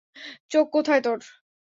চোখ কোথায় তোর?